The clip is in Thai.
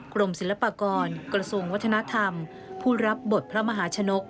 กรมศิลปากรกระทรวงวัฒนธรรมผู้รับบทพระมหาชนก